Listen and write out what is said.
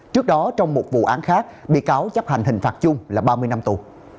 trước đó trong một vụ án khác bị cáo chấp hành hình phạt chung là ba mươi năm tù